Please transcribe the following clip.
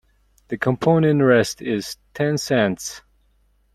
The compound interest is ten cents.